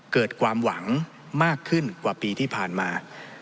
เกิดความหวังมากขึ้นกว่าปีที่ผ่านมา